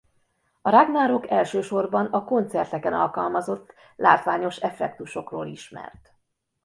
A Ragnarok elsősorban a koncerteken alkalmazott látványos effektusokról ismert.